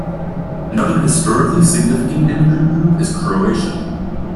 Another historically significant immigrant group is Croatian.